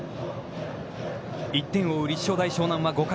１点を追う立正大湘南は５回。